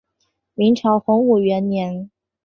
明朝洪武元年。